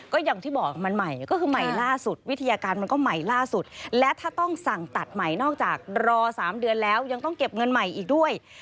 ก็อย่างที่บอกมันใหม่ก็คือใหม่ล่าสุดวิทยาการมันก็ใหม่ล่าสุดและถ้าต้องสั่งตัดใหม่นอกจากรอ๓เดือนแล้วยังต้องเก็บเงินใหม่อีกด้วย